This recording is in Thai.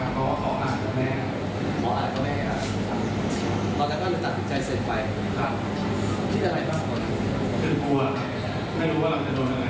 ตอนนั้นเธอจักติดตามติดใจสินไป